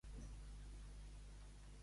A les vellors.